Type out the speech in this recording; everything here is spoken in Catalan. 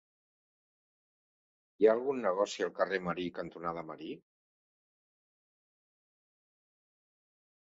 Hi ha algun negoci al carrer Marí cantonada Marí?